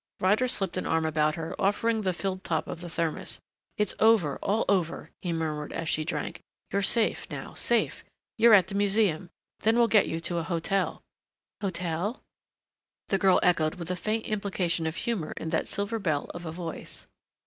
Ryder slipped an arm about her, offering the filled top of the thermos. "It's over, all over," he murmured as she drank. "You're safe now, safe.... You're at the museum.... Then we'll get you to the hotel " "Hotel ?" the girl echoed with a faint implication of humor in that silver bell of a voice.